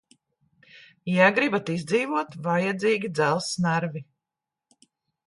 Ja gribat izdzīvot, vajadzīgi dzelzs nervi.